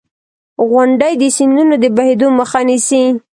• غونډۍ د سیندونو د بهېدو مخه نیسي.